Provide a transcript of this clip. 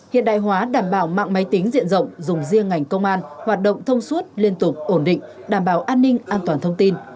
hiện đại hóa đảm bảo mạng máy tính diện rộng dùng riêng ngành công an hoạt động thông suốt liên tục ổn định đảm bảo an ninh an toàn thông tin